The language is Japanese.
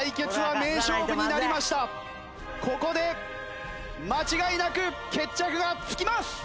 ここで間違いなく決着がつきます！